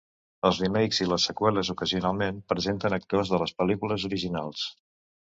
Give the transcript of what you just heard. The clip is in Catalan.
Els remakes i les seqüeles ocasionalment presenten actors de les pel·lícules originals.